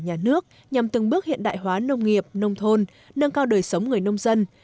nhà nước nhằm từng bước hiện đại hóa nông nghiệp nông thôn nâng cao đời sống người nông dân